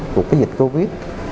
của cái dịch covid